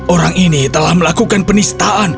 orang ini telah melakukan penistaan